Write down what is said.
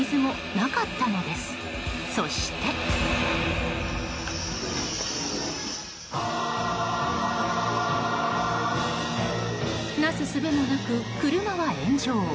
なすすべもなく、車は炎上。